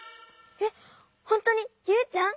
えっほんとにユウちゃん？